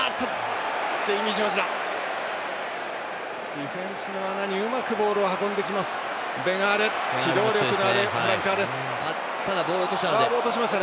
ディフェンスの穴にうまくボールを運んできます。